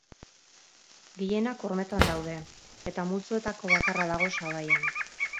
Gehienak hormetan daude, eta multzoetako bakarra dago sabaian.